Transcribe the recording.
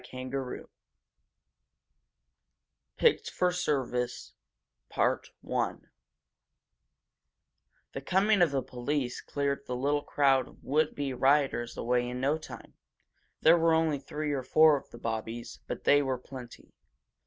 CHAPTER III PICKED FOR SERVICE The coming of the police cleared the little crowd of would be rioters away in no time. There were only three or four of the Bobbies, but they were plenty.